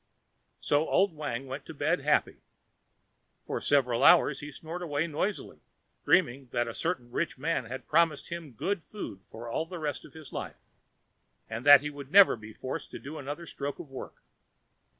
So old Wang went to bed happy. For several hours he snored away noisily, dreaming that a certain rich man had promised him good food all the rest of his life, and that he would never be forced to do another stroke of work.